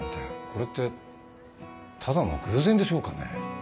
これってただの偶然でしょうかね？